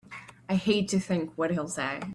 I hate to think what he'll say!